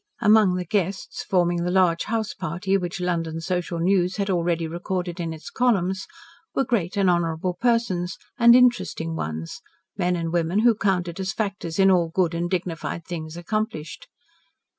Among the guests, forming the large house party which London social news had already recorded in its columns, were great and honourable persons, and interesting ones, men and women who counted as factors in all good and dignified things accomplished.